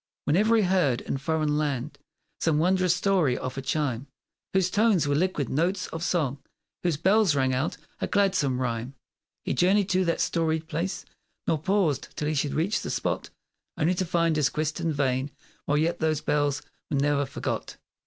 Whene'er he heard, in foreign land, Some wondrous story of a chime Whose tones were liquid notes of song, Whose bells rang out a gladsome rhyme, He journeyed to that storied place, Nor paused till he should reach the spot, Only to find his quest in vain, While yet those bells were ne'er forgot.